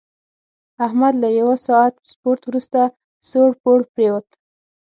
احمد له یوه ساعت سپورت ورسته سوړ پوړ پرېوت.